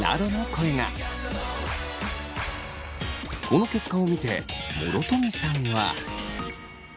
この結果を見て諸富さんは。